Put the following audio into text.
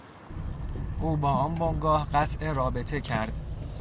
او با آن بنگاه قطع رابطه کرد.